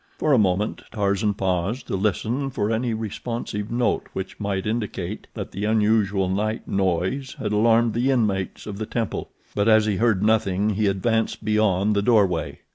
For a moment Tarzan paused to listen for any responsive note which might indicate that the unusual night noise had alarmed the inmates of the temple; but as he heard nothing he advanced beyond the doorway.